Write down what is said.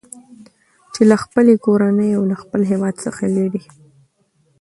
چې له خپلې کورنۍ او له خپل هیواد څخه لېرې